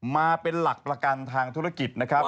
มาเป็นหลักประกันทางธุรกิจนะครับ